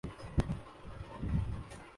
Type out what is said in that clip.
موسم سرما میں خشک میوہ جات کی مانگ میں اضافہ